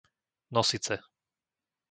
Nosice